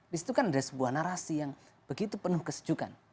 disitu kan ada sebuah narasi yang begitu penuh kesejukan